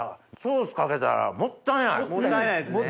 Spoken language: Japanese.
もったいないですね。